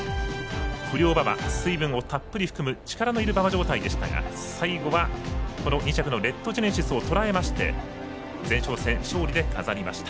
不良馬場、水分をたっぷり含む力のいる馬場状態でしたが最後は２着のレッドジェネシスをとらえまして前哨戦勝利で飾りました。